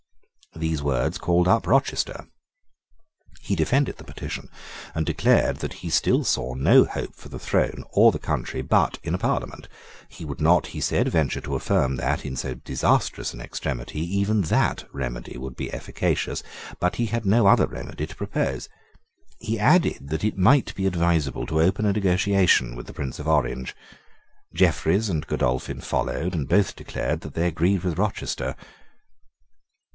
These words called up Rochester. He defended the petition, and declared that he still saw no hope for the throne or the country but in a Parliament. He would not, he said, venture to affirm that, in so disastrous an extremity, even that remedy would be efficacious: but he had no other remedy to propose. He added that it might be advisable to open a negotiation with the Prince of Orange. Jeffreys and Godolphin followed; and both declared that they agreed with Rochester.